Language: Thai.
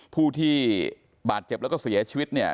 ผู้ที่บาดเจ็บแล้วก็เสียชีวิตเนี่ย